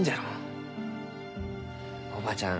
おばあちゃん